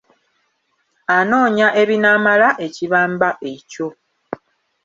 Anoonya ebinaamala ekibamba ekyo.